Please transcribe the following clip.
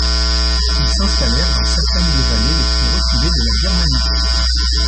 Ils s'installèrent dans certaines des vallées les plus reculées de la Birmanie.